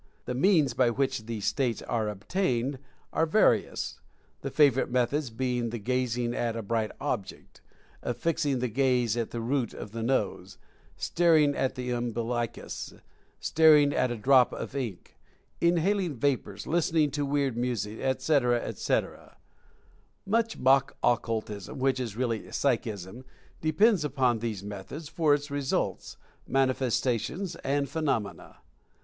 The means by which these states are obtained are various, the favorite methods being the gazing at 150 Mental Fascination a bright object ; fixing the gaze at the root of the nose ; staring at the umbilicus; staring at a drop of ink; inhaling vapors; listening to wierd music, etc., etc. Much mock occultism, which is really "psychism," de pends upon these methods for its results, manifesta tion, and phenomena.